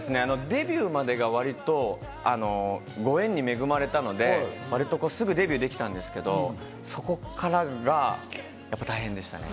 デビューまでが割とご縁に恵まれたので、割とすぐデビューできたんですけど、そこからが大変でしたね。